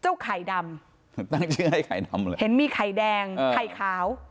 ไข่ดำตั้งชื่อให้ไข่ดำเลยเห็นมีไข่แดงไข่ขาว